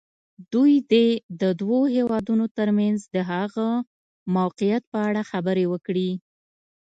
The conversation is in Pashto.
دوی دې د دوو هېوادونو تر منځ د هغه موقعیت په اړه خبرې وکړي.